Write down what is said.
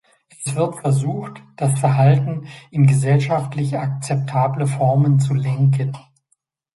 Es wird versucht, das Verhalten in gesellschaftlich akzeptable Formen zu lenken.